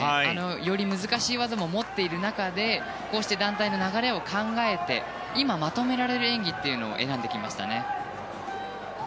より難しい技も持っている中でこうして団体の流れを考えて今まとめられる演技というのを選んできましたね。